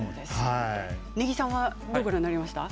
根木さんはどうご覧になりました？